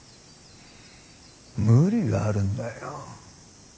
無理があるんだよ。